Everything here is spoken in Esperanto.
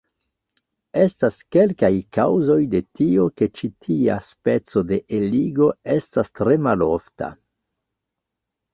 Estas kelkaj kaŭzoj de tio ke ĉi tia speco de eligo estas tre malofta.